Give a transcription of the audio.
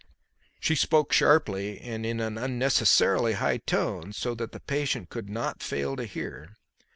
She spoke sharply and in an unnecessarily high tone so that the patient could not fail to hear.